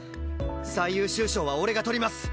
最優秀賞は俺が取ります！